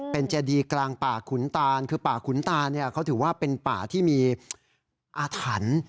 เป็นเจดีกลางป่าขุนตานคือป่าขุนตานเนี่ยเขาถือว่าเป็นป่าที่มีอาถรรพ์